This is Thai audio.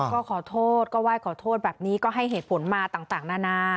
ก็ขอโทษก็ไหว้ขอโทษแบบนี้ก็ให้เหตุผลมาต่างนานา